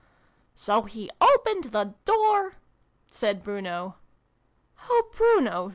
" So he opened the door " said Bruno. "Oh, Bruno!"